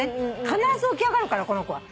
必ず起き上がるからこの子は。